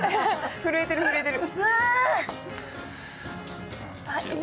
震えてる震えてる。